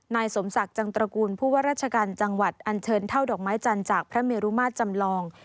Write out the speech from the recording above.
นายสมศักดิ์จังตระกูลผู้ว่าราชการจังหวัดอันเชิญเท่าดอกไม้จันทร์จากพระเมรุมาตรจำลอง